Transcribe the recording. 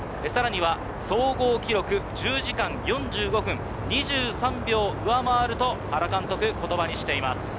さらには総合記録１０時間４５分２３秒を上回ると原監督、言葉にしています。